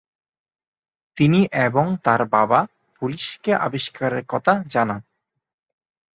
তিনি এবং তার বাবা পুলিশকে আবিষ্কারের কথা জানান।